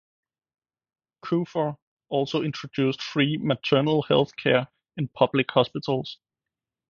Kufuor also introduced free maternal health care in public hospitals.